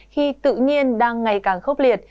khi tự nhiên đang ngày càng khốc liệt